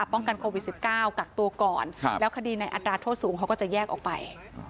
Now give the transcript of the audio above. ป้องกันโควิด๑๙กักตัวก่อนแล้วคดีในอัตราโทษสูงเขาก็จะแยกออกไป